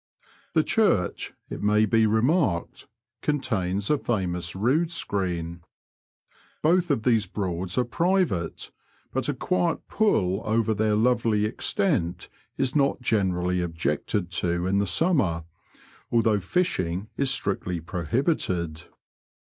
The church, it may be remarked, contains a fJEunous rood screen. Both of these Broads are private, but a quiet pull over their lovely extent is not generally objected to in the summer, although fishing is strictly prohibited.